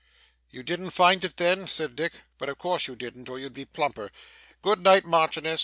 'You didn't find it then?' said Dick. 'But of course you didn't, or you'd be plumper. Good night, Marchioness.